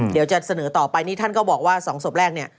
เดี๋ยวจะเสนอต่อไปนี่ท่านก็บอกว่า๒ศพแรกเนี่ย